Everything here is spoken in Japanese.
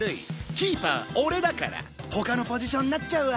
キーパー俺だから他のポジションなっちゃうわ。